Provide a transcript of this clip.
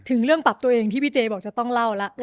ถึงเรื่องปรับตัวเองที่พี่เจบอกจะต้องเล่าแล้ว